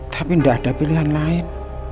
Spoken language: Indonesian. tapi tidak ada pilihan lain